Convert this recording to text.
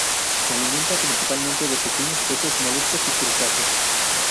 Se alimenta principalmente de pequeños peces, moluscos y crustáceos.